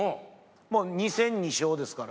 ２戦２勝ですから。